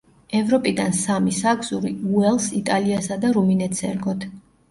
ევროპიდან სამი საგზური უელსს, იტალიასა და რუმინეთს ერგოთ.